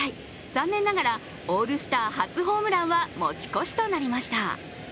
残念ながらオールスター初ホームランは持ち越しとなりました。